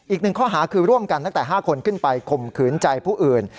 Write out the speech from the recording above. อีก๑ข้อหาคือร่วมกันนักแต่๕คนขึ้นไปคมขืนใจผู้อื่น